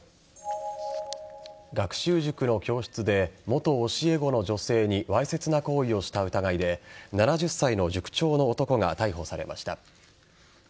学習塾の教室で元教え子の女性にわいせつな行為をした疑いで７０歳の塾長の男が逮捕されました。